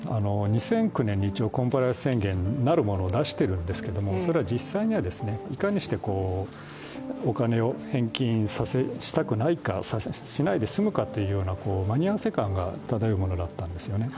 ２００９年に一応、コンプライアンス宣言なるものを出しているんですけどもそれは実際にはいかにしてお金を返金したくないか、しないで済むかというような間に合わせ感が漂うものだったんですね。